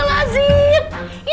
kenapa kalian berantakan